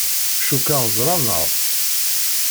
Cukkeɣ ẓran-aɣ-d.